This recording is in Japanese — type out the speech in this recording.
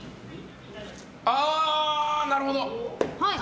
ああ、なるほど。